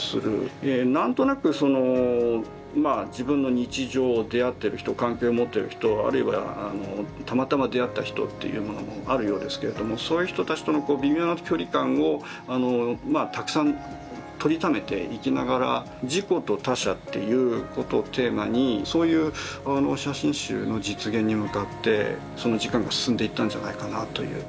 何となくそのまあ自分の日常出会ってる人関係を持ってる人あるいはたまたま出会った人というものもあるようですけれどもそういう人たちとの微妙な距離感をたくさん撮りためていきながら「自己」と「他者」ということをテーマにそういう写真集の実現に向かって時間が進んでいったんじゃないかなという。